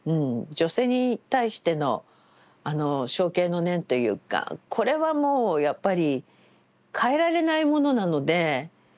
女性に対してのあの憧憬の念というかこれはもうやっぱり変えられないものなので。